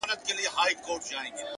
پرمختګ د کوچنیو اصلاحاتو ټولګه ده،